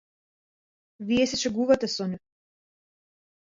Вие се шегувате со нив.